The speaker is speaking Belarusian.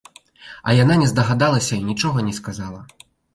А яна не здагадалася і нічога не сказала.